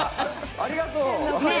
ありがとう。